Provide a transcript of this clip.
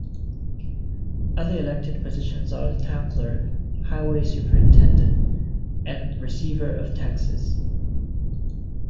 Other elected positions are the Town Clerk, Highway Superintendent, and Receiver of Taxes.